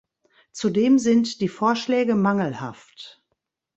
Zudem sind die Vorschläge mangelhaft.